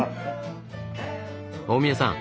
大宮さん